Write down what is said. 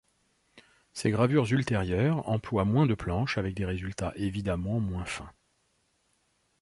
Ses gravures ultérieures emploient moins de planches, avec des résultats évidemment moins fins.